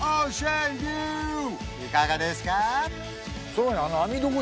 いかがですか？